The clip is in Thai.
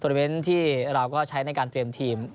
โทรด์มิเมนที่เราใกล้การเตรียมทีม